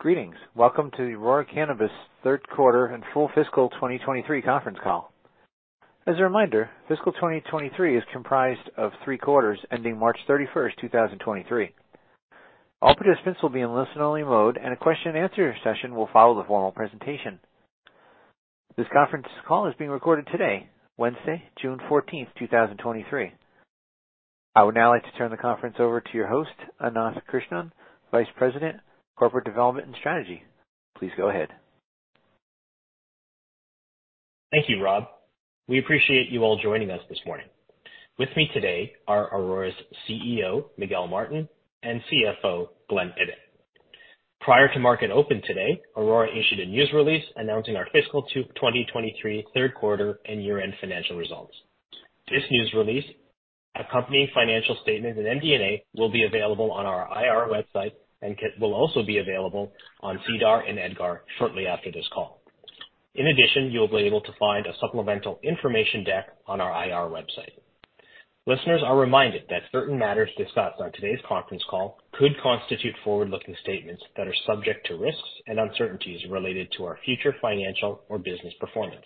Greetings. Welcome to the Aurora Cannabis third quarter and full fiscal 2023 conference call. As a reminder, fiscal 2023 is comprised of three quarters ending March 31st, 2023. All participants will be in listen-only mode, and a question-and-answer session will follow the formal presentation. This conference call is being recorded today, Wednesday, June 14th, 2023. I would now like to turn the conference over to your host, Ananth Krishnan, Vice President, Corporate Development and Strategy. Please go ahead. Thank you, Rob. We appreciate you all joining us this morning. With me today are Aurora's CEO, Miguel Martin, and CFO, Glen Ibbott. Prior to market open today, Aurora issued a news release announcing our fiscal 2023 third quarter and year-end financial results. This news release, accompanying financial statements and MD&A, will be available on our IR website and will also be available on SEDAR and EDGAR shortly after this call. In addition, you'll be able to find a supplemental information deck on our IR website. Listeners are reminded that certain matters discussed on today's conference call could constitute forward-looking statements that are subject to risks and uncertainties related to our future financial or business performance.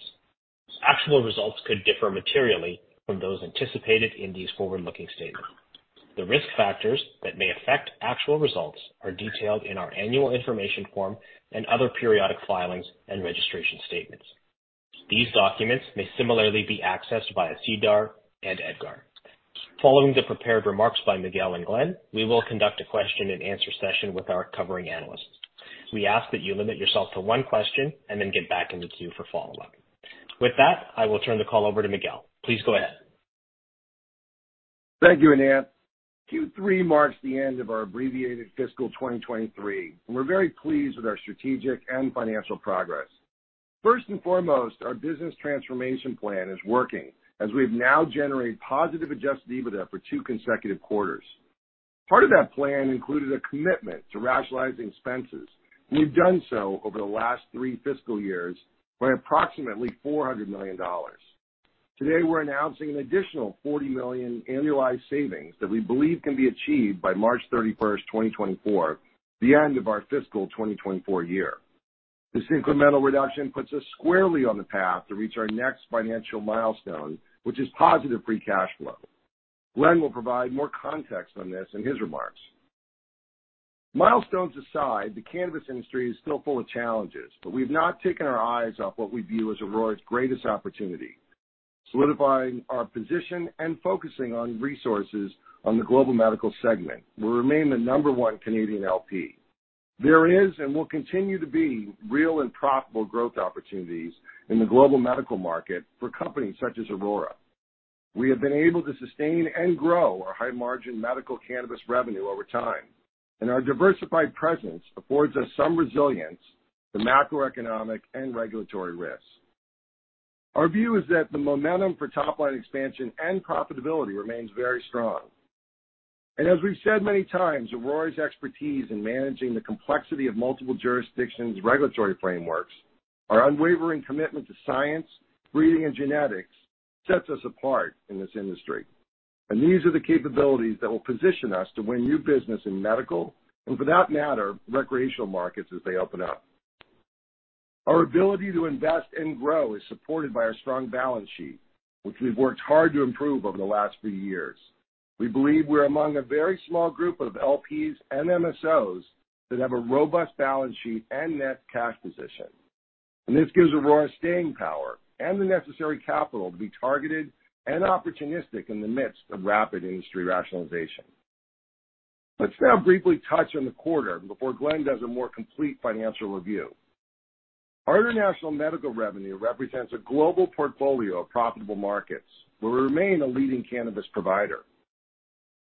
Actual results could differ materially from those anticipated in these forward-looking statements. The risk factors that may affect actual results are detailed in our Annual Information Form and other periodic filings and registration statements. These documents may similarly be accessed via SEDAR and EDGAR. Following the prepared remarks by Miguel and Glen, we will conduct a question-and-answer session with our covering analysts. We ask that you limit yourself to one question and then get back in the queue for follow-up. With that, I will turn the call over to Miguel. Please go ahead. Thank you, Ananth. Q3 marks the end of our abbreviated fiscal 2023, and we're very pleased with our strategic and financial progress. First and foremost, our business transformation plan is working as we've now generated positive adjusted EBITDA for two consecutive quarters. Part of that plan included a commitment to rationalizing expenses, and we've done so over the last three fiscal years by approximately 400 million dollars. Today, we're announcing an additional 40 million annualized savings that we believe can be achieved by March 31st, 2024, the end of our fiscal 2024 year. This incremental reduction puts us squarely on the path to reach our next financial milestone, which is positive free cash flow. Glen will provide more context on this in his remarks. Milestones aside, the cannabis industry is still full of challenges, but we have not taken our eyes off what we view as Aurora's greatest opportunity. Solidifying our position and focusing on resources on the global medical segment, we remain the number one Canadian LP. There is, and will continue to be, real and profitable growth opportunities in the global medical market for companies such as Aurora. We have been able to sustain and grow our high-margin medical cannabis revenue over time, and our diversified presence affords us some resilience to macroeconomic and regulatory risks. Our view is that the momentum for top-line expansion and profitability remains very strong, and as we've said many times, Aurora's expertise in managing the complexity of multiple jurisdictions' regulatory frameworks, our unwavering commitment to science, breeding, and genetics sets us apart in this industry, and these are the capabilities that will position us to win new business in medical and, for that matter, recreational markets as they open up. Our ability to invest and grow is supported by our strong balance sheet, which we've worked hard to improve over the last three years. We believe we're among a very small group of LPs and MSOs that have a robust balance sheet and net cash position, and this gives Aurora staying power and the necessary capital to be targeted and opportunistic in the midst of rapid industry rationalization. Let's now briefly touch on the quarter before Glen does a more complete financial review. Our international medical revenue represents a global portfolio of profitable markets where we remain a leading cannabis provider.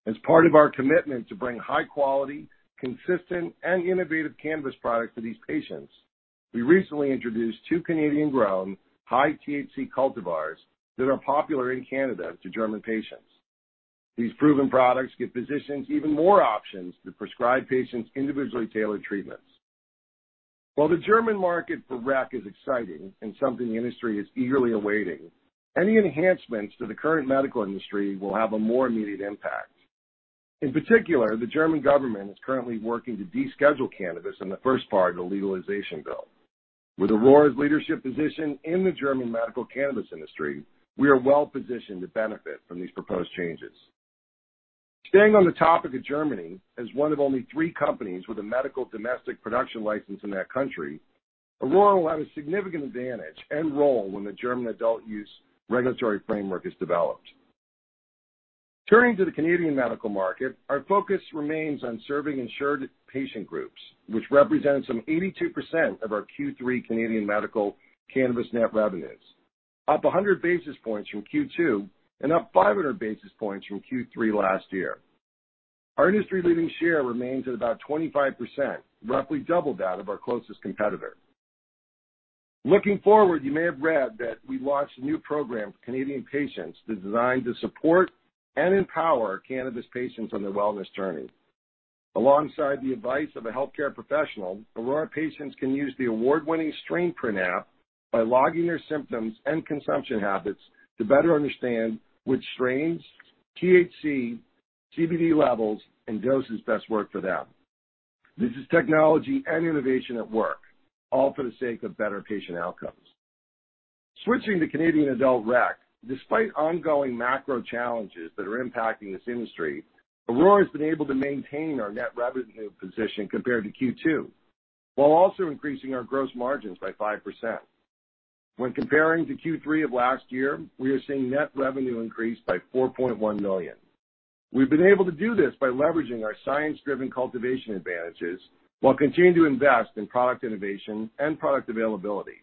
As part of our commitment to bring high-quality, consistent, and innovative cannabis products to these patients, we recently introduced two Canadian-grown high THC cultivars that are popular in Canada to German patients. These proven products give physicians even more options to prescribe patients individually tailored treatments. While the German market for rec is exciting and something the industry is eagerly awaiting, any enhancements to the current medical industry will have a more immediate impact. In particular, the German government is currently working to deschedule cannabis in the first part of the legalization bill. With Aurora's leadership position in the German medical cannabis industry, we are well positioned to benefit from these proposed changes. Staying on the topic of Germany, as one of only three companies with a medical domestic production license in that country, Aurora will have a significant advantage and role when the German adult use regulatory framework is developed. Turning to the Canadian medical market, our focus remains on serving insured patient groups, which represents some 82% of our Q3 Canadian medical cannabis net revenues, up 100 basis points from Q2 and up 500 basis points from Q3 last year. Our industry-leading share remains at about 25%, roughly double that of our closest competitor. Looking forward, you may have read that we launched a new program for Canadian patients designed to support and empower cannabis patients on their wellness journey. Alongside the advice of a healthcare professional, Aurora patients can use the award-winning Strainprint app by logging their symptoms and consumption habits to better understand which strains, THC, CBD levels, and doses best work for them. This is technology and innovation at work, all for the sake of better patient outcomes. Switching to Canadian adult rec, despite ongoing macro challenges that are impacting this industry, Aurora has been able to maintain our net revenue position compared to Q2, while also increasing our gross margins by 5%. When comparing to Q3 of last year, we are seeing net revenue increase by 4.1 million. We've been able to do this by leveraging our science-driven cultivation advantages while continuing to invest in product innovation and product availability.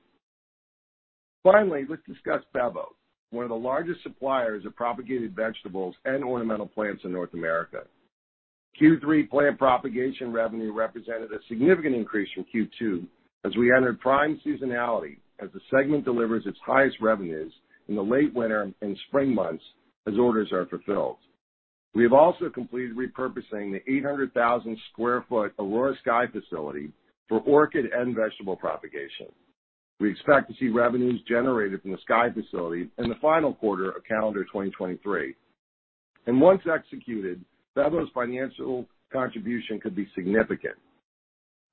Finally, let's discuss Bevo, one of the largest suppliers of propagated vegetables and ornamental plants in North America. Q3 plant propagation revenue represented a significant increase from Q2 as we entered prime seasonality, as the segment delivers its highest revenues in the late winter and spring months as orders are fulfilled. We have also completed repurposing the 800,000 sq ft Aurora Sky facility for orchid and vegetable propagation. We expect to see revenues generated from the Sky facility in the final quarter of calendar 2023, and once executed, Bevo's financial contribution could be significant.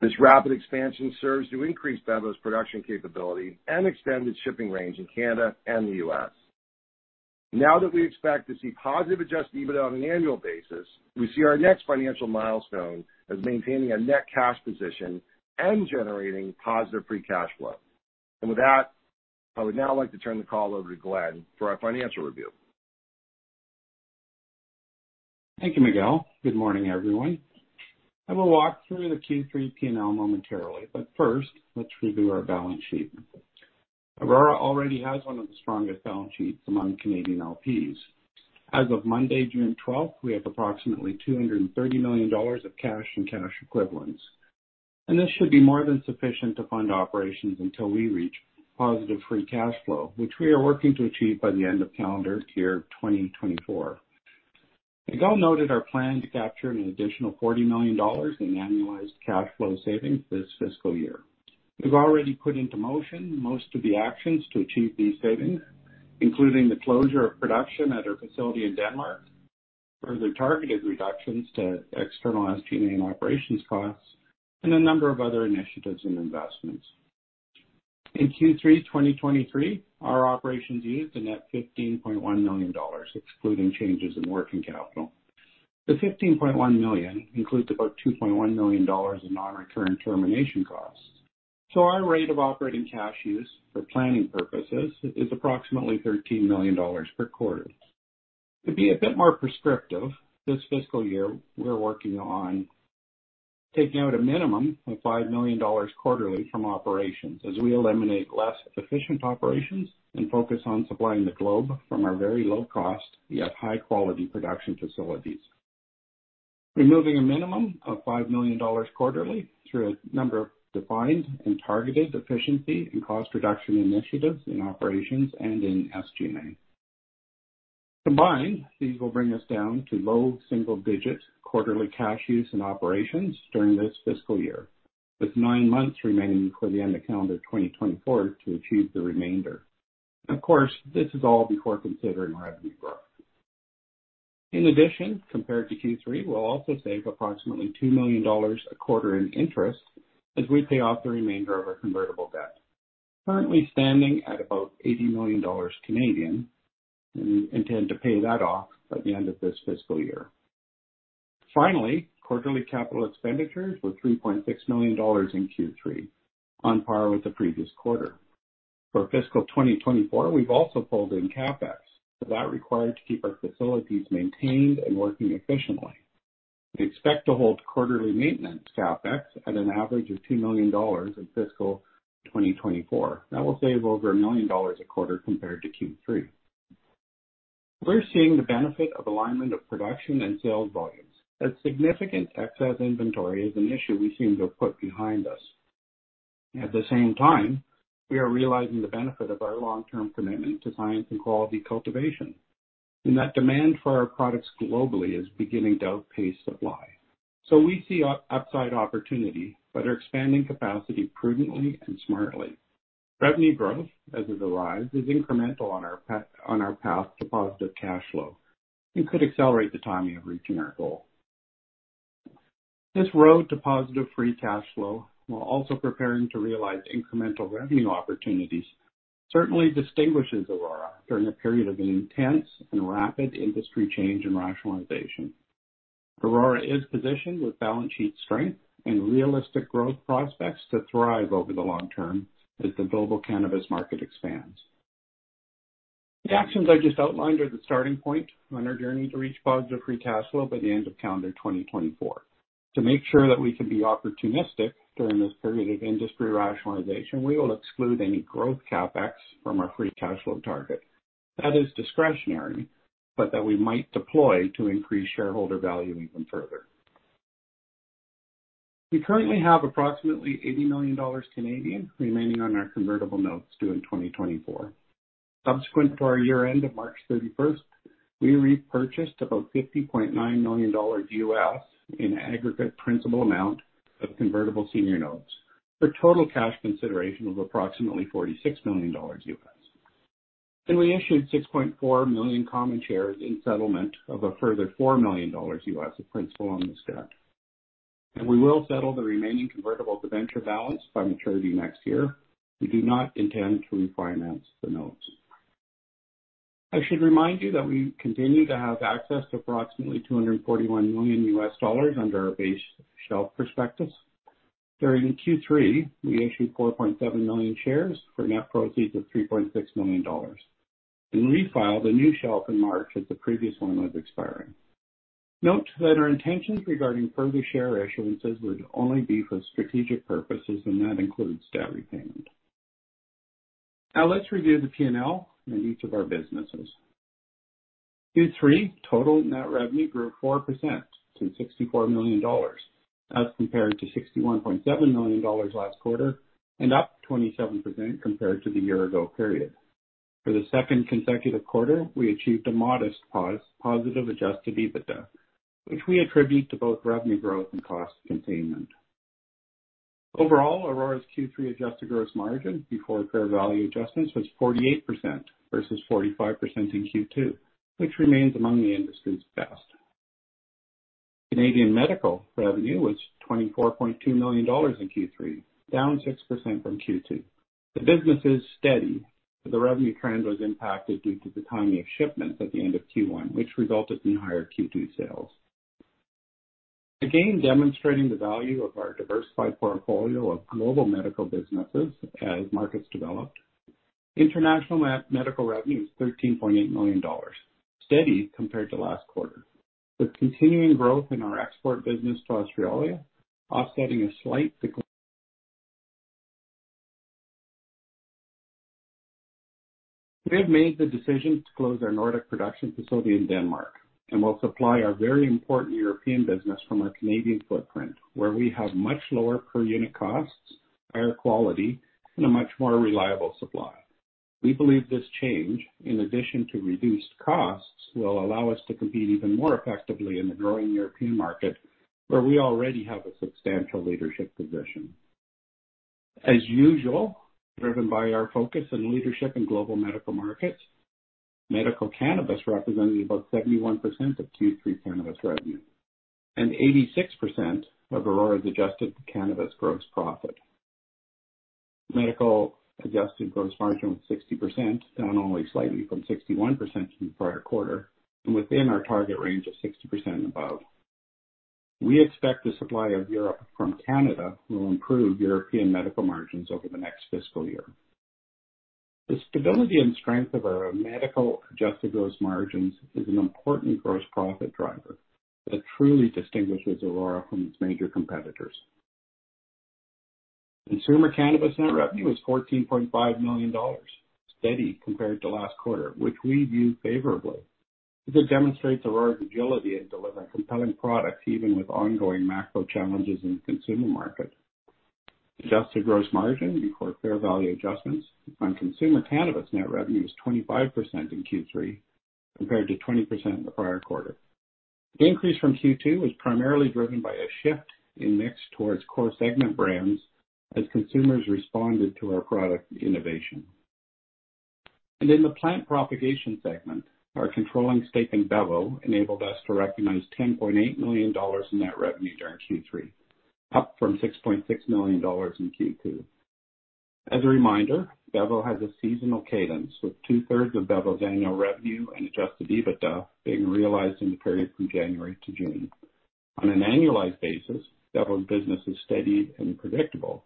This rapid expansion serves to increase Bevo's production capability and extend its shipping range in Canada and the U.S. Now that we expect to see positive Adjusted EBITDA on an annual basis, we see our next financial milestone as maintaining a net cash position and generating positive free cash flow. And with that, I would now like to turn the call over to Glen for our financial review. Thank you, Miguel. Good morning, everyone. I will walk through the Q3 P&L momentarily, but first, let's review our balance sheet. Aurora already has one of the strongest balance sheets among Canadian LPs. As of Monday, June 12th, we have approximately 230 million dollars of cash and cash equivalents, and this should be more than sufficient to fund operations until we reach positive free cash flow, which we are working to achieve by the end of calendar year 2024. Miguel noted our plan to capture an additional 40 million dollars in annualized cash flow savings this fiscal year. We've already put into motion most of the actions to achieve these savings, including the closure of production at our facility in Denmark, further targeted reductions to externalized SG&A and operations costs, and a number of other initiatives and investments. In Q3 2023, our operations used a net 15.1 million dollars, excluding changes in working capital. The 15.1 million includes about 2.1 million dollars in non-recurring termination costs. So our rate of operating cash use for planning purposes is approximately 13 million dollars per quarter. To be a bit more prescriptive, this fiscal year, we're working on taking out a minimum of 5 million dollars quarterly from operations as we eliminate less efficient operations and focus on supplying the globe from our very low-cost yet high-quality production facilities. We're moving a minimum of 5 million dollars quarterly through a number of defined and targeted efficiency and cost reduction initiatives in operations and in SG&A. Combined, these will bring us down to low single-digit quarterly cash use in operations during this fiscal year, with nine months remaining before the end of calendar 2024 to achieve the remainder. Of course, this is all before considering revenue growth. In addition, compared to Q3, we'll also save approximately 2 million dollars a quarter in interest as we pay off the remainder of our convertible debt, currently standing at about 80 million Canadian dollars, and we intend to pay that off by the end of this fiscal year. Finally, quarterly capital expenditures were 3.6 million dollars in Q3, on par with the previous quarter. For fiscal 2024, we've also pulled in CapEx. That required to keep our facilities maintained and working efficiently. We expect to hold quarterly maintenance CapEx at an average of 2 million dollars in fiscal 2024. That will save over 1 million dollars a quarter compared to Q3. We're seeing the benefit of alignment of production and sales volumes. That significant excess inventory is an issue we seem to have put behind us. At the same time, we are realizing the benefit of our long-term commitment to science and quality cultivation, and that demand for our products globally is beginning to outpace supply. So we see upside opportunity, but are expanding capacity prudently and smartly. Revenue growth, as it arises, is incremental on our path to positive cash flow and could accelerate the timing of reaching our goal. This road to positive free cash flow, while also preparing to realize incremental revenue opportunities, certainly distinguishes Aurora during a period of intense and rapid industry change and rationalization. Aurora is positioned with balance sheet strength and realistic growth prospects to thrive over the long term as the global cannabis market expands. The actions I just outlined are the starting point on our journey to reach positive free cash flow by the end of calendar 2024. To make sure that we can be opportunistic during this period of industry rationalization, we will exclude any growth CapEx from our free cash flow target. That is discretionary, but that we might deploy to increase shareholder value even further. We currently have approximately 80 million Canadian dollars remaining on our convertible notes due in 2024. Subsequent to our year-end of March 31st, we repurchased about $50.9 million in aggregate principal amount of convertible senior notes for total cash consideration of approximately $46 million. And we issued 6.4 million common shares in settlement of a further $4 million of principal on this debt, and we will settle the remaining convertible debenture balance by maturity next year. We do not intend to refinance the notes. I should remind you that we continue to have access to approximately $241 million under our base shelf prospectus. During Q3, we issued 4.7 million shares for net proceeds of 3.6 million dollars and refiled a new shelf in March as the previous one was expiring. Note that our intentions regarding further share issuances would only be for strategic purposes, and that includes debt repayment. Now let's review the P&L and each of our businesses. Q3 total net revenue grew 4% to 64 million dollars as compared to 61.7 million dollars last quarter and up 27% compared to the year-ago period. For the second consecutive quarter, we achieved a modest positive Adjusted EBITDA, which we attribute to both revenue growth and cost containment. Overall, Aurora's Q3 adjusted gross margin before fair value adjustments was 48% versus 45% in Q2, which remains among the industry's best. Canadian medical revenue was 24.2 million dollars in Q3, down 6% from Q2. The business is steady, but the revenue trend was impacted due to the timing of shipments at the end of Q1, which resulted in higher Q2 sales. Again, demonstrating the value of our diversified portfolio of global medical businesses as markets developed, international medical revenue is 13.8 million dollars, steady compared to last quarter, with continuing growth in our export business to Australia, offsetting a slight decline. We have made the decision to close our Nordic production facility in Denmark, and we'll supply our very important European business from our Canadian footprint, where we have much lower per unit costs, higher quality, and a much more reliable supply. We believe this change, in addition to reduced costs, will allow us to compete even more effectively in the growing European market, where we already have a substantial leadership position. As usual, driven by our focus and leadership in global medical markets, medical cannabis represented about 71% of Q3 cannabis revenue and 86% of Aurora's adjusted cannabis gross profit. Medical adjusted gross margin was 60%, down only slightly from 61% in the prior quarter, and within our target range of 60% and above. We expect the supply of Europe from Canada will improve European medical margins over the next fiscal year. The stability and strength of our medical adjusted gross margins is an important gross profit driver that truly distinguishes Aurora from its major competitors. Consumer cannabis net revenue is 14.5 million dollars, steady compared to last quarter, which we view favorably. This demonstrates Aurora's agility in delivering compelling products even with ongoing macro challenges in the consumer market. Adjusted gross margin before fair value adjustments on consumer cannabis net revenue is 25% in Q3 compared to 20% in the prior quarter. The increase from Q2 was primarily driven by a shift in mix towards core segment brands as consumers responded to our product innovation. And in the plant propagation segment, our controlling stake in Bevo enabled us to recognize 10.8 million dollars in net revenue during Q3, up from 6.6 million dollars in Q2. As a reminder, Bevo has a seasonal cadence, with two-thirds of Bevo's annual revenue and Adjusted EBITDA being realized in the period from January to June. On an annualized basis, Bevo's business is steady and predictable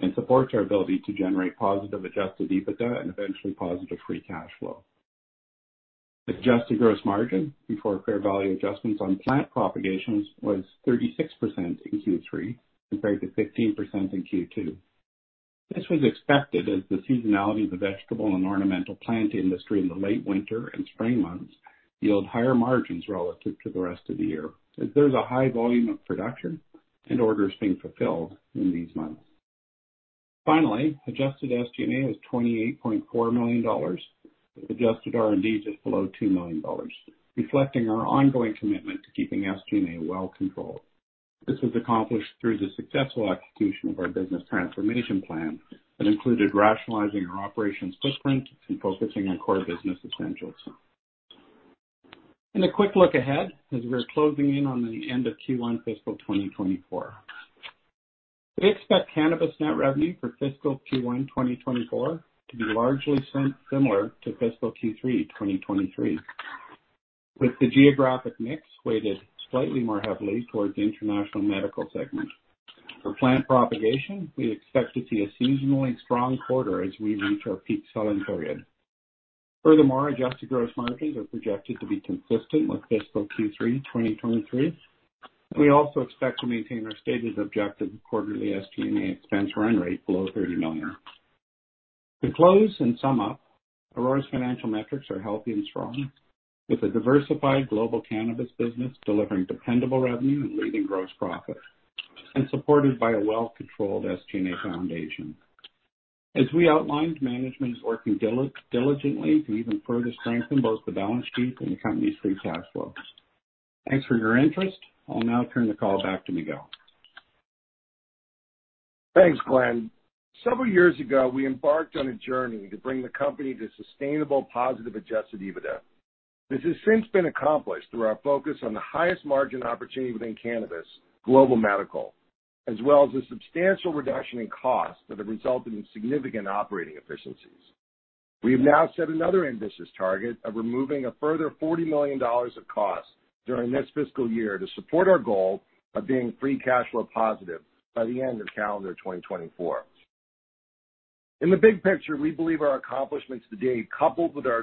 and supports our ability to generate positive Adjusted EBITDA and eventually positive free cash flow. Adjusted gross margin before fair value adjustments on plant propagations was 36% in Q3 compared to 15% in Q2. This was expected as the seasonality of the vegetable and ornamental plant industry in the late winter and spring months yield higher margins relative to the rest of the year, as there's a high volume of production and orders being fulfilled in these months. Finally, adjusted SG&A is 28.4 million dollars, with adjusted R&D just below 2 million dollars, reflecting our ongoing commitment to keeping SG&A well controlled. This was accomplished through the successful execution of our business transformation plan that included rationalizing our operations footprint and focusing on core business essentials, and a quick look ahead as we're closing in on the end of Q1 fiscal 2024. We expect cannabis net revenue for fiscal Q1 2024 to be largely similar to fiscal Q3 2023, with the geographic mix weighted slightly more heavily towards the international medical segment. For plant propagation, we expect to see a seasonally strong quarter as we reach our peak selling period. Furthermore, adjusted gross margins are projected to be consistent with fiscal Q3 2023, and we also expect to maintain our stated objective quarterly SG&A expense run rate below $30 million. To close and sum up, Aurora's financial metrics are healthy and strong, with a diversified global cannabis business delivering dependable revenue and leading gross profit, and supported by a well-controlled SG&A foundation. As we outlined, management is working diligently to even further strengthen both the balance sheet and the company's free cash flow. Thanks for your interest. I'll now turn the call back to Miguel. Thanks, Glen. Several years ago, we embarked on a journey to bring the company to sustainable positive Adjusted EBITDA. This has since been accomplished through our focus on the highest margin opportunity within cannabis, global medical, as well as a substantial reduction in costs that have resulted in significant operating efficiencies. We have now set another ambitious target of removing a further 40 million dollars of costs during this fiscal year to support our goal of being free cash flow positive by the end of calendar 2024. In the big picture, we believe our accomplishments today, coupled with our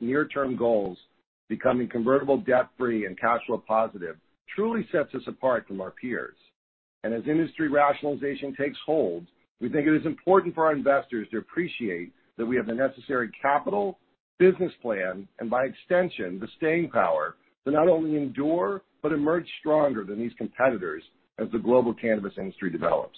near-term goals of becoming convertible debt-free and cash flow positive, truly sets us apart from our peers. And as industry rationalization takes hold, we think it is important for our investors to appreciate that we have the necessary capital, business plan, and by extension, the staying power to not only endure but emerge stronger than these competitors as the global cannabis industry develops.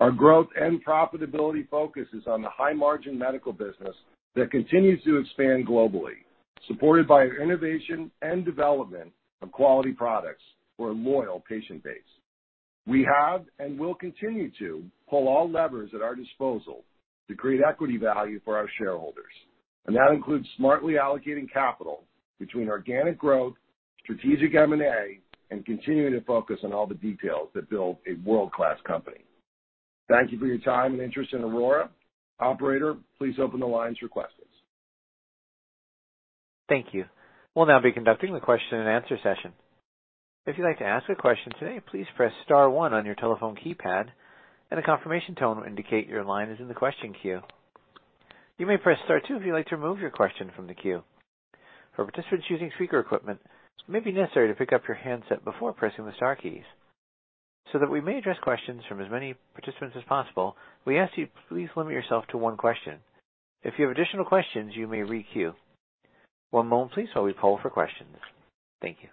Our growth and profitability focus is on the high-margin medical business that continues to expand globally, supported by our innovation and development of quality products for a loyal patient base. We have and will continue to pull all levers at our disposal to create equity value for our shareholders. And that includes smartly allocating capital between organic growth, strategic M&A, and continuing to focus on all the details that build a world-class company. Thank you for your time and interest in Aurora. Operator, please open the lines for questions. Thank you. We'll now be conducting the question-and-answer session. If you'd like to ask a question today, please press star one on your telephone keypad, and a confirmation tone will indicate your line is in the question queue. You may press star two if you'd like to remove your question from the queue. For participants using speaker equipment, it may be necessary to pick up your handset before pressing the star keys. So that we may address questions from as many participants as possible, we ask that you please limit yourself to one question. If you have additional questions, you may re-queue. One moment, please, while we poll for questions. Thank you.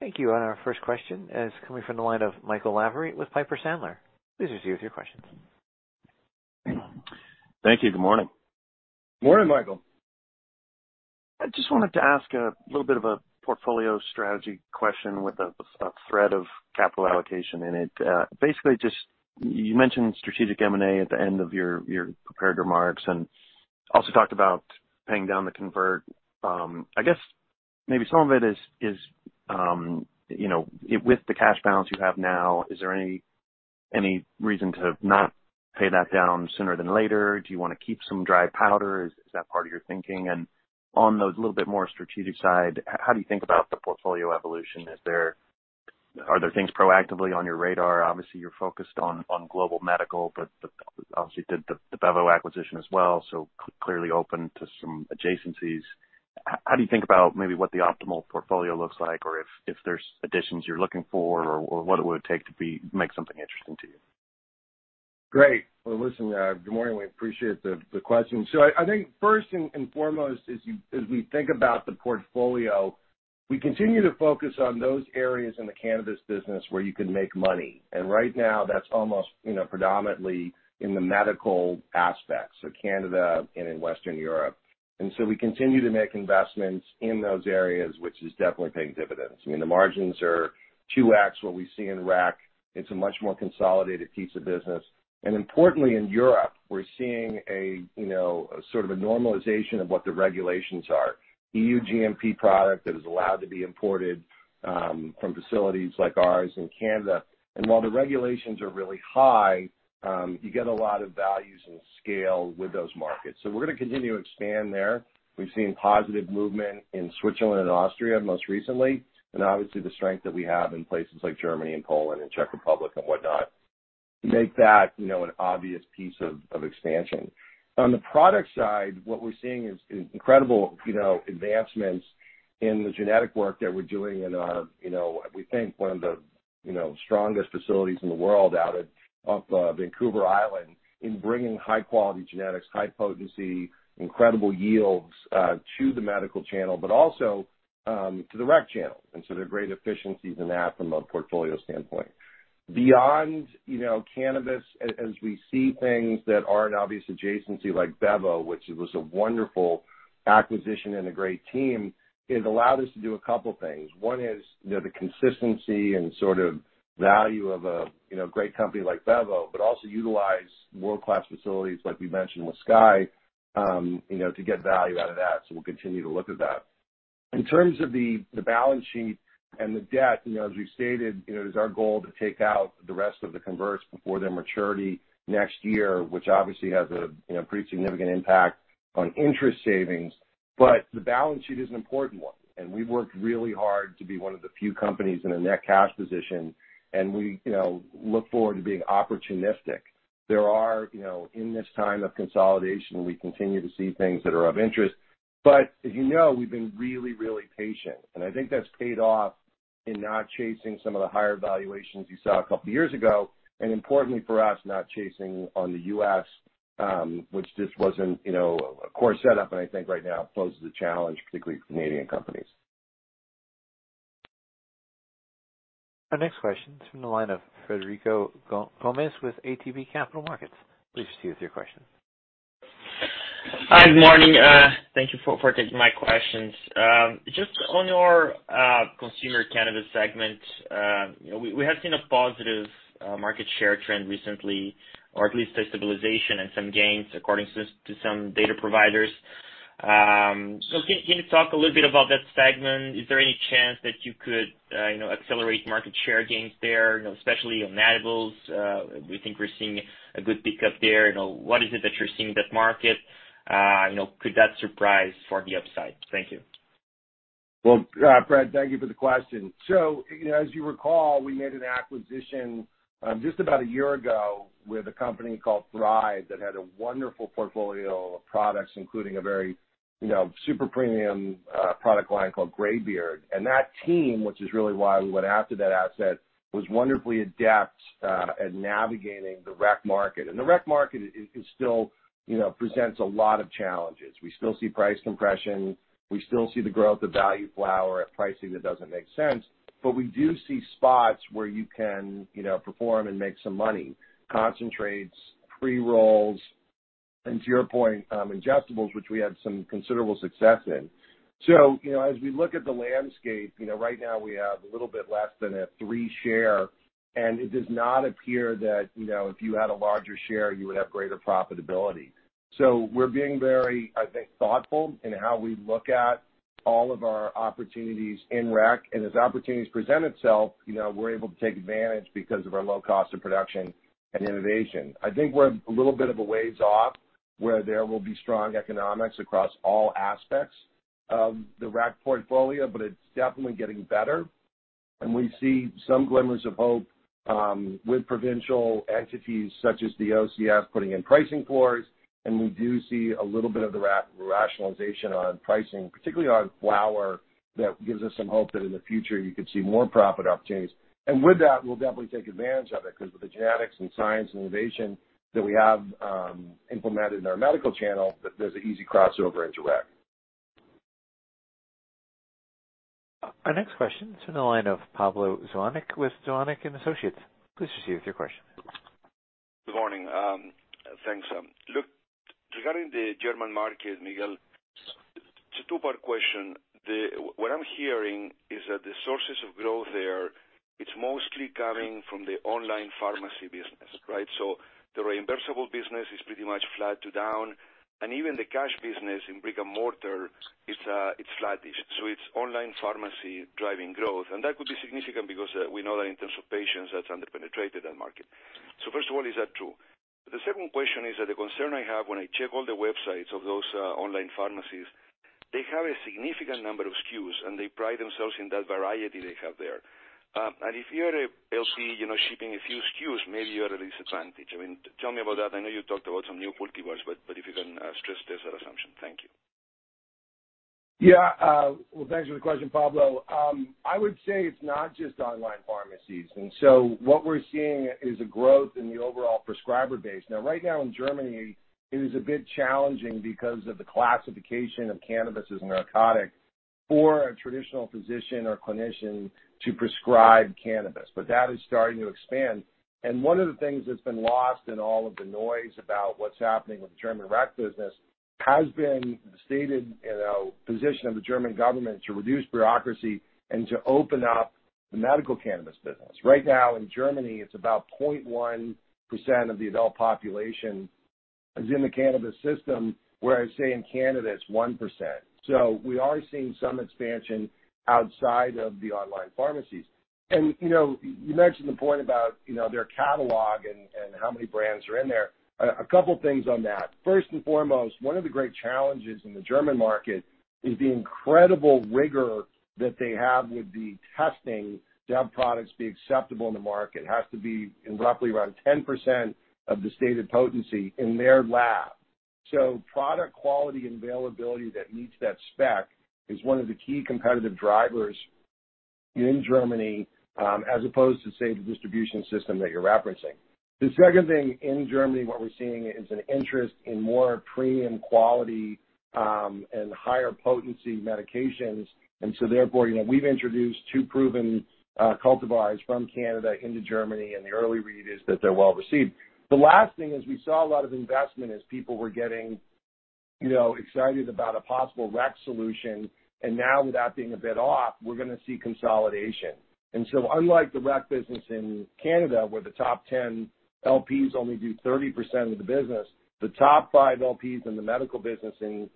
Thank you. And our first question is coming from the line of Michael Lavery with Piper Sandler. Please proceed with your questions. Thank you. Good morning. Good morning, Michael. I just wanted to ask a little bit of a portfolio strategy question with a thread of capital allocation in it. Basically, just you mentioned strategic M&A at the end of your prepared remarks and also talked about paying down the convert. I guess maybe some of it is with the cash balance you have now, is there any reason to not pay that down sooner than later? Do you want to keep some dry powder? Is that part of your thinking? And on the little bit more strategic side, how do you think about the portfolio evolution? Are there things proactively on your radar? Obviously, you're focused on global medical, but obviously did the Bevo acquisition as well, so clearly open to some adjacencies. How do you think about maybe what the optimal portfolio looks like, or if there's additions you're looking for, or what it would take to make something interesting to you? Great. Well, listen, good morning. We appreciate the question. So I think first and foremost, as we think about the portfolio, we continue to focus on those areas in the cannabis business where you can make money. And right now, that's almost predominantly in the medical aspects, so Canada and in Western Europe. And so we continue to make investments in those areas, which is definitely paying dividends. I mean, the margins are 2X what we see in rec. It's a much more consolidated piece of business. And importantly, in Europe, we're seeing a sort of a normalization of what the regulations are. EU GMP product that is allowed to be imported from facilities like ours in Canada. And while the regulations are really high, you get a lot of value and scale with those markets. So we're going to continue to expand there. We've seen positive movement in Switzerland and Austria most recently, and obviously the strength that we have in places like Germany and Poland and Czech Republic and whatnot make that an obvious piece of expansion. On the product side, what we're seeing is incredible advancements in the genetic work that we're doing in our, we think, one of the strongest facilities in the world out of Vancouver Island in bringing high-quality genetics, high potency, incredible yields to the medical channel, but also to the rec channel. And so there are great efficiencies in that from a portfolio standpoint. Beyond cannabis, as we see things that are an obvious adjacency like Bevo, which was a wonderful acquisition and a great team, it allowed us to do a couple of things. One is the consistency and sort of value of a great company like Bevo, but also utilize world-class facilities like we mentioned with Sky to get value out of that, so we'll continue to look at that. In terms of the balance sheet and the debt, as we stated, it is our goal to take out the rest of the converts before their maturity next year, which obviously has a pretty significant impact on interest savings, but the balance sheet is an important one, and we've worked really hard to be one of the few companies in a net cash position, and we look forward to being opportunistic. There are. In this time of consolidation, we continue to see things that are of interest, but as you know, we've been really, really patient. And I think that's paid off in not chasing some of the higher valuations you saw a couple of years ago, and importantly for us, not chasing on the U.S., which just wasn't a core setup. And I think right now poses a challenge, particularly for Canadian companies. Our next question is from the line of Frederico Gomes with ATB Capital Markets. Please proceed with your question. Hi, good morning. Thank you for taking my questions. Just on your consumer cannabis segment, we have seen a positive market share trend recently, or at least a stabilization and some gains, according to some data providers. Can you talk a little bit about that segment? Is there any chance that you could accelerate market share gains there, especially on edibles? We think we're seeing a good pickup there. What is it that you're seeing in that market? Could that surprise for the upside? Thank you. Fred, thank you for the question. As you recall, we made an acquisition just about a year ago with a company called Thrive that had a wonderful portfolio of products, including a very super premium product line called Greybeard. That team, which is really why we went after that asset, was wonderfully adept at navigating the rec market. The rec market still presents a lot of challenges. We still see price compression. We still see the growth of value flower at pricing that doesn't make sense. We do see spots where you can perform and make some money: concentrates, pre-rolls, and to your point, ingestibles, which we had some considerable success in. So as we look at the landscape, right now we have a little bit less than a three-share, and it does not appear that if you had a larger share, you would have greater profitability. So we're being very, I think, thoughtful in how we look at all of our opportunities in rec. And as opportunities present itself, we're able to take advantage because of our low cost of production and innovation. I think we're a little bit of a ways off where there will be strong economics across all aspects of the rec portfolio, but it's definitely getting better. And we see some glimmers of hope with provincial entities such as the OCS putting in pricing floors. And we do see a little bit of the rationalization on pricing, particularly on flower, that gives us some hope that in the future you could see more profit opportunities. With that, we'll definitely take advantage of it because with the genetics and science and innovation that we have implemented in our medical channel, there's an easy crossover into rec. Our next question is from the line of Pablo Zuanic with Zuanic & Associates. Please proceed with your question. Good morning. Thanks. Look, regarding the German market, Miguel, it's a two-part question. What I'm hearing is that the sources of growth there, it's mostly coming from the online pharmacy business, right? So the reimbursable business is pretty much flat to down. And even the cash business in brick and mortar, it's flattish. So it's online pharmacy driving growth. And that could be significant because we know that in terms of patients, that's under-penetrated that market. So first of all, is that true? The second question is that the concern I have when I check all the websites of those online pharmacies, they have a significant number of SKUs, and they pride themselves in that variety they have there. And if you're a LP shipping a few SKUs, maybe you're at a disadvantage. I mean, tell me about that. I know you talked about some new cultivars, but if you can stress-test that assumption? Thank you. Yeah, well, thanks for the question, Pablo. I would say it's not just online pharmacies, and so what we're seeing is a growth in the overall prescriber base. Now, right now in Germany, it is a bit challenging because of the classification of cannabis as a narcotic for a traditional physician or clinician to prescribe cannabis, but that is starting to expand, and one of the things that's been lost in all of the noise about what's happening with the German rec business has been the stated position of the German government to reduce bureaucracy and to open up the medical cannabis business. Right now in Germany, it's about 0.1% of the adult population is in the cannabis system, whereas say in Canada, it's 1%, so we are seeing some expansion outside of the online pharmacies. You mentioned the point about their catalog and how many brands are in there. A couple of things on that. First and foremost, one of the great challenges in the German market is the incredible rigor that they have with the testing to have products be acceptable in the market. It has to be in roughly around 10% of the stated potency in their lab. So product quality and availability that meets that spec is one of the key competitive drivers in Germany, as opposed to, say, the distribution system that you're referencing. The second thing in Germany, what we're seeing is an interest in more premium quality and higher potency medications. So therefore, we've introduced two proven cultivars from Canada into Germany, and the early read is that they're well received. The last thing is we saw a lot of investment as people were getting excited about a possible rec solution. And now, with that being a bit off, we're going to see consolidation. And so unlike the rec business in Canada, where the top 10 LPs only do 30% of the business, the top five LPs in the medical business in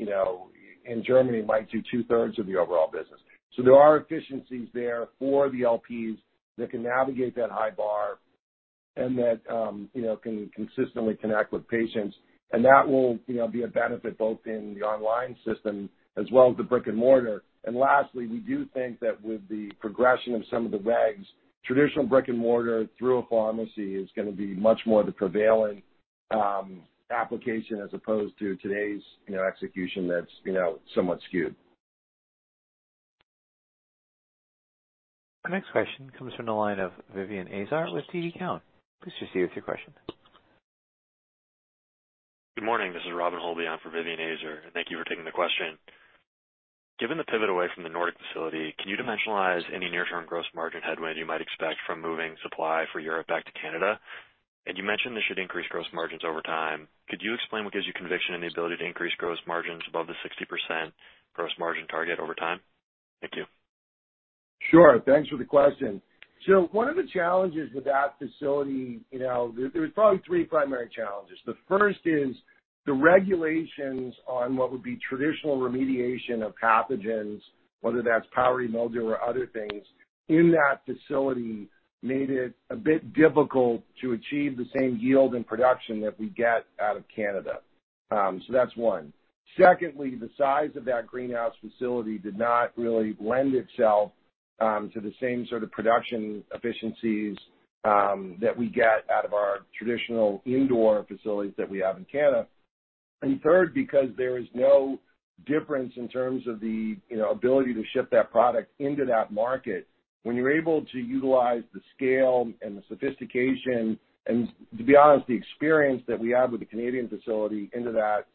Germany might do two-thirds of the overall business. So there are efficiencies there for the LPs that can navigate that high bar and that can consistently connect with patients. And that will be a benefit both in the online system as well as the brick and mortar. And lastly, we do think that with the progression of some of the regs, traditional brick and mortar through a pharmacy is going to be much more the prevailing application as opposed to today's execution that's somewhat skewed. Our next question comes from the line of Vivien Azer with TD Cowen. Please proceed with your question. Good morning. This is Robin Holby on for Vivien Azer. Thank you for taking the question. Given the pivot away from the Nordic facility, can you dimensionalize any near-term gross margin headwind you might expect from moving supply for Europe back to Canada? And you mentioned this should increase gross margins over time. Could you explain what gives you conviction in the ability to increase gross margins above the 60% gross margin target over time? Thank you. Sure. Thanks for the question. So one of the challenges with that facility, there's probably three primary challenges. The first is the regulations on what would be traditional remediation of pathogens, whether that's powdery mildew or other things in that facility, made it a bit difficult to achieve the same yield and production that we get out of Canada. So that's one. Secondly, the size of that greenhouse facility did not really lend itself to the same sort of production efficiencies that we get out of our traditional indoor facilities that we have in Canada. And third, because there is no difference in terms of the ability to ship that product into that market, when you're able to utilize the scale and the sophistication, and to be honest, the experience that we have with the Canadian facility into that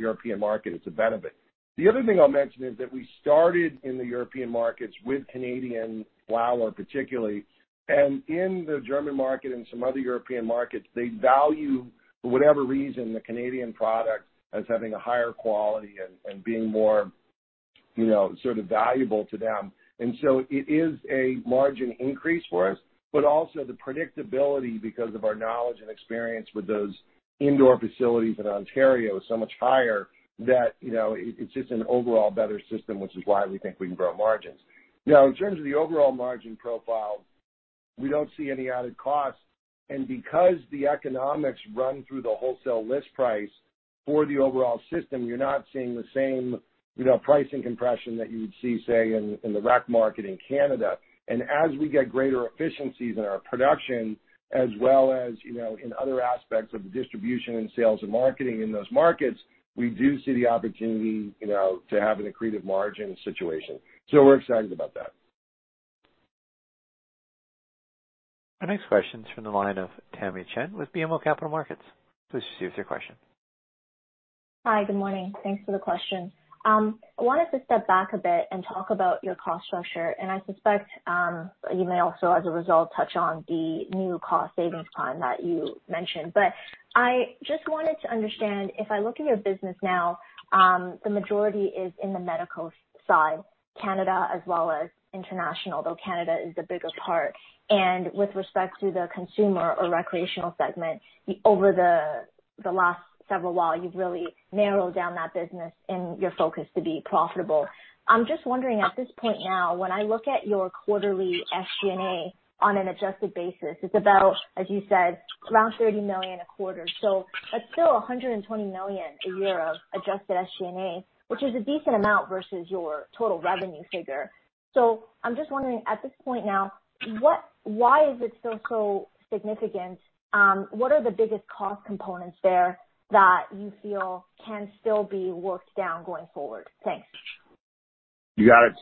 European market, it's a benefit. The other thing I'll mention is that we started in the European markets with Canadian flower particularly, and in the German market and some other European markets, they value, for whatever reason, the Canadian product as having a higher quality and being more sort of valuable to them, and so it is a margin increase for us, but also the predictability because of our knowledge and experience with those indoor facilities in Ontario is so much higher that it's just an overall better system, which is why we think we can grow margins. Now, in terms of the overall margin profile, we don't see any added costs, and because the economics run through the wholesale list price for the overall system, you're not seeing the same pricing compression that you would see, say, in the rec market in Canada. As we get greater efficiencies in our production, as well as in other aspects of the distribution and sales and marketing in those markets, we do see the opportunity to have an accretive margin situation. We're excited about that. Our next question is from the line of Tamy Chen with BMO Capital Markets. Please proceed with your question. Hi, good morning. Thanks for the question. I wanted to step back a bit and talk about your cost structure. And I suspect you may also, as a result, touch on the new cost savings plan that you mentioned. But I just wanted to understand, if I look at your business now, the majority is in the medical side, Canada as well as international, though Canada is the bigger part. And with respect to the consumer or recreational segment, over the last several while, you've really narrowed down that business and your focus to be profitable. I'm just wondering, at this point now, when I look at your quarterly SG&A on an adjusted basis, it's about, as you said, around 30 million a quarter. So that's still 120 million a year of adjusted SG&A, which is a decent amount versus your total revenue figure. So I'm just wondering, at this point now, why is it still so significant? What are the biggest cost components there that you feel can still be worked down going forward? Thanks. You got it.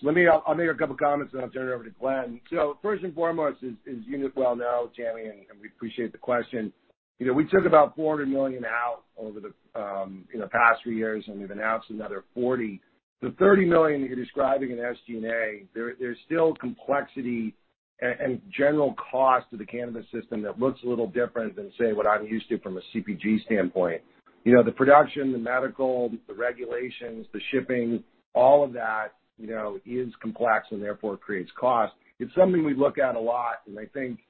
I'll make a couple of comments, and I'll turn it over to Glen. First and foremost, you know it well now, Tammy, and we appreciate the question. We took about 400 million out over the past few years, and we've announced another 40 million. The 30 million you're describing in SG&A, there's still complexity and general cost of the cannabis system that looks a little different than, say, what I'm used to from a CPG standpoint. The production, the medical, the regulations, the shipping, all of that is complex, and therefore it creates cost. It's something we look at a lot. And I think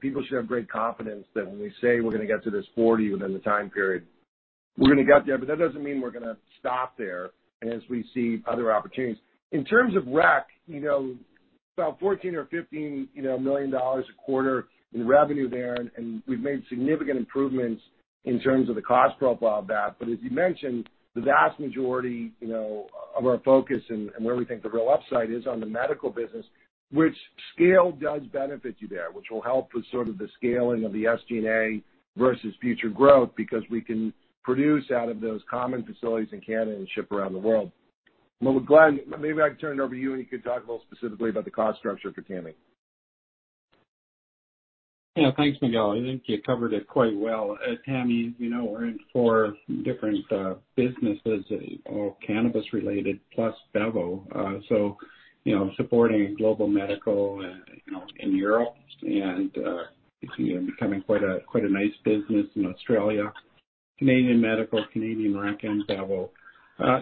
people should have great confidence that when we say we're going to get to this 40 million within the time period, we're going to get there. But that doesn't mean we're going to stop there as we see other opportunities. In terms of rec, about 14 million or 15 million dollars a quarter in revenue there. And we've made significant improvements in terms of the cost profile of that. But as you mentioned, the vast majority of our focus and where we think the real upside is on the medical business, which scale does benefit you there, which will help with sort of the scaling of the SG&A versus future growth because we can produce out of those common facilities in Canada and ship around the world. But Glen, maybe I can turn it over to you, and you could talk a little specifically about the cost structure for Tamy. Yeah. Thanks, Miguel. I think you covered it quite well. Tamy, we're in four different businesses, all cannabis-related, plus Bevo. So supporting global medical in Europe, and it's becoming quite a nice business in Australia. Canadian medical, Canadian rec, and Bevo.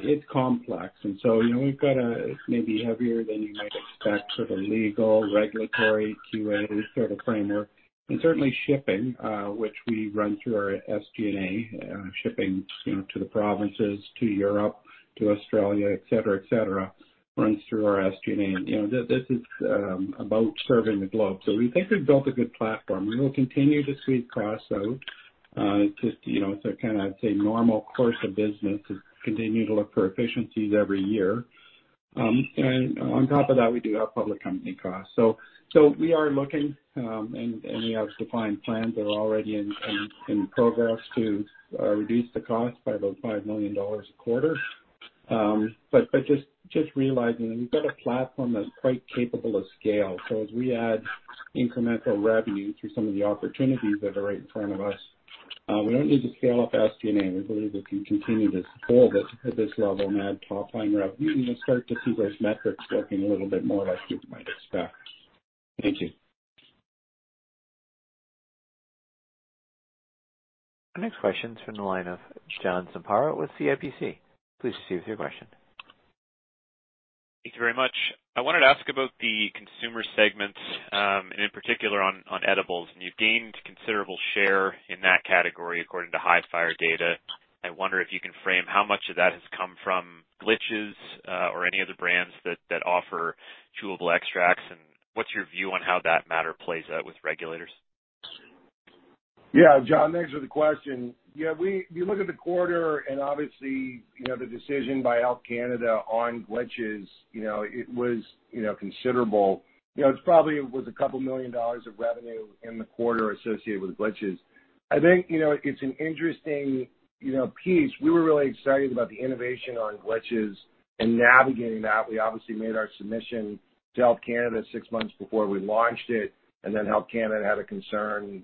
It's complex. And so we've got a maybe heavier than you might expect sort of legal regulatory QA sort of framework. And certainly shipping, which we run through our SG&A, shipping to the provinces, to Europe, to Australia, etc., etc., runs through our SG&A. This is about serving the globe. So we think we've built a good platform. We will continue to squeeze costs out. It's just kind of, I'd say, normal course of business is continue to look for efficiencies every year. And on top of that, we do have public company costs. We are looking, and we have defined plans that are already in progress to reduce the cost by about 5 million dollars a quarter. But just realizing we've got a platform that's quite capable of scale. As we add incremental revenue through some of the opportunities that are right in front of us, we don't need to scale up SG&A. We believe if you continue to hold it at this level and add top line revenue, you'll start to see those metrics working a little bit more like you might expect. Thank you. Our next question is from the line of John Zamparo with CIBC. Please proceed with your question. Thank you very much. I wanted to ask about the consumer segments, and in particular on edibles, and you've gained a considerable share in that category according to Headset data. I wonder if you can frame how much of that has come from Glitches or any other brands that offer chewable extracts, and what's your view on how that matter plays out with regulators? Yeah. John, thanks for the question. Yeah. We look at the quarter, and obviously, the decision by Health Canada on Glitches, it was considerable. It probably was 2 million dollars of revenue in the quarter associated with Glitches. I think it's an interesting piece. We were really excited about the innovation on Glitches and navigating that. We obviously made our submission to Health Canada six months before we launched it, and then Health Canada had a concern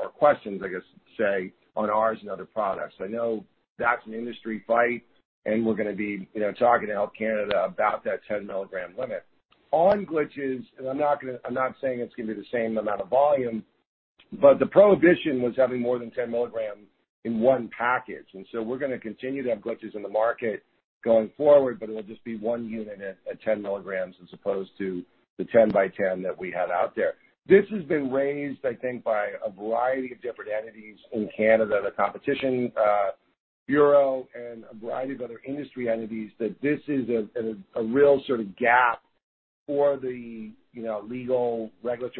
or questions, I guess, say, on ours and other products. I know that's an industry fight, and we're going to be talking to Health Canada about that 10 milligram limit. On Glitches, and I'm not saying it's going to be the same amount of volume, but the prohibition was having more than 10 milligram in one package. And so we're going to continue to have Glitches in the market going forward, but it'll just be one unit at 10 milligrams as opposed to the 10 by 10 that we have out there. This has been raised, I think, by a variety of different entities in Canada, the Competition Bureau, and a variety of other industry entities, that this is a real sort of gap for the legal, regulated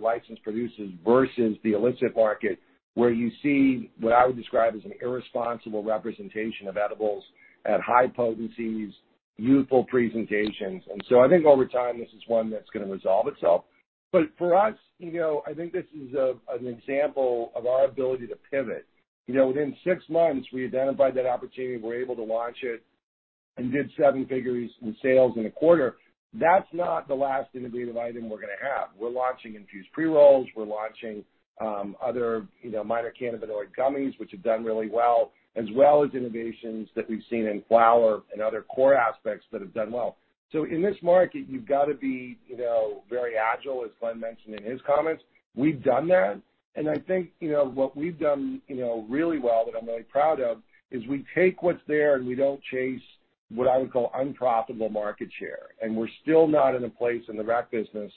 licensed producers versus the illicit market, where you see what I would describe as an irresponsible representation of edibles at high potencies, youthful presentations. And so I think over time, this is one that's going to resolve itself. But for us, I think this is an example of our ability to pivot. Within six months, we identified that opportunity, we're able to launch it, and did seven figures in sales in a quarter. That's not the last innovative item we're going to have. We're launching infused pre-rolls. We're launching other minor cannabinoid gummies, which have done really well, as well as innovations that we've seen in flower and other core aspects that have done well. So in this market, you've got to be very agile, as Glen mentioned in his comments. We've done that. And I think what we've done really well that I'm really proud of is we take what's there, and we don't chase what I would call unprofitable market share. And we're still not in a place in the rec business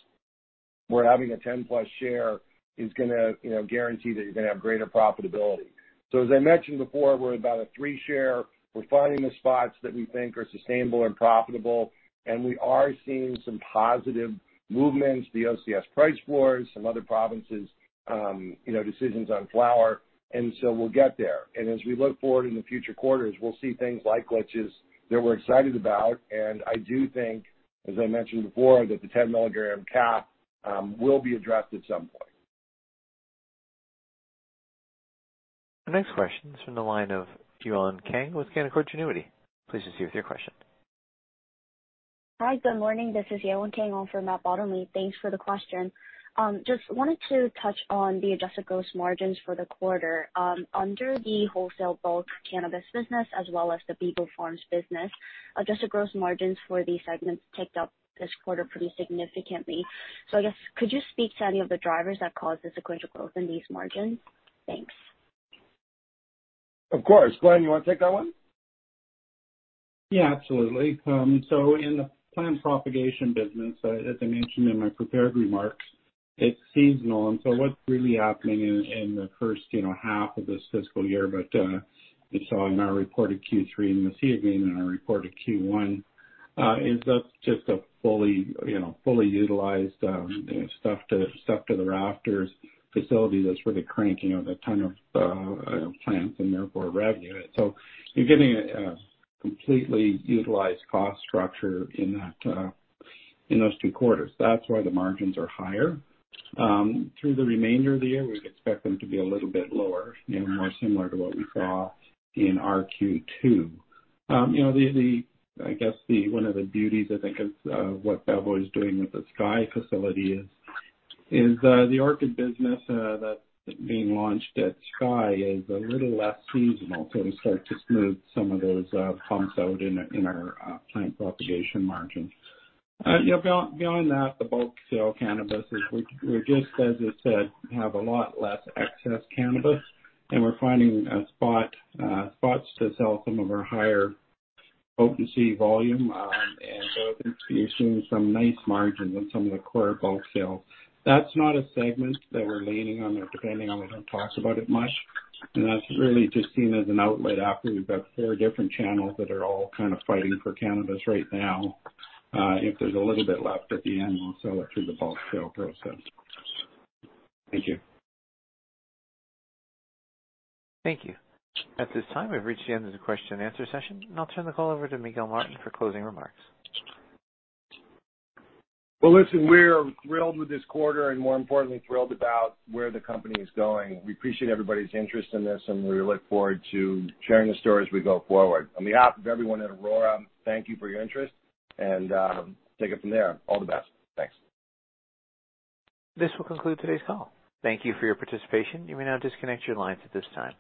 where having a 10-plus share is going to guarantee that you're going to have greater profitability. So as I mentioned before, we're about a three-share. We're finding the spots that we think are sustainable and profitable. And we are seeing some positive movements, the OCS price floors, some other provinces, decisions on flower. And so we'll get there. And as we look forward in the future quarters, we'll see things like glitches that we're excited about. And I do think, as I mentioned before, that the 10 milligram cap will be addressed at some point. Our next question is from the line of Yewon Kang with Canaccord Genuity. Please proceed with your question. Hi, good morning. This is Yewon Kang from Matt Bottomley. Thanks for the question. Just wanted to touch on the adjusted gross margins for the quarter. Under the wholesale bulk cannabis business, as well as the Bevo Farms business, adjusted gross margins for the segments ticked up this quarter pretty significantly. So I guess, could you speak to any of the drivers that caused the sequential growth in these margins? Thanks. Of course. Glen, you want to take that one? Yeah, absolutely. So in the plant propagation business, as I mentioned in my prepared remarks, it's seasonal. And so what's really happening in the first half of this fiscal year, but you saw in our reported Q3 and we'll see again in our reported Q1, is that's just a fully utilized stuff to the rafters facility that's really cranking out a ton of plants and therefore revenue. So you're getting a completely utilized cost structure in those two quarters. That's why the margins are higher. Through the remainder of the year, we would expect them to be a little bit lower, more similar to what we saw in our Q2. I guess one of the beauties, I think, of what Bevo is doing with the Sky facility is the orchid business that's being launched at Sky is a little less seasonal. So we start to smooth some of those humps out in our plant propagation margins. Beyond that, the bulk sale cannabis is we're just, as I said, have a lot less excess cannabis. And we're finding spots to sell some of our higher potency volume. And so I think you're seeing some nice margins on some of the core bulk sales. That's not a segment that we're leaning on or depending on. We don't talk about it much. And that's really just seen as an outlet after we've got four different channels that are all kind of fighting for cannabis right now. If there's a little bit left at the end, we'll sell it through the bulk sale process. Thank you. Thank you. At this time, we've reached the end of the question and answer session, and I'll turn the call over to Miguel Martin for closing remarks. Listen, we're thrilled with this quarter and, more importantly, thrilled about where the company is going. We appreciate everybody's interest in this, and we look forward to sharing the stories as we go forward. On behalf of everyone at Aurora, thank you for your interest. And take it from there. All the best. Thanks. This will conclude today's call. Thank you for your participation. You may now disconnect your lines at this time.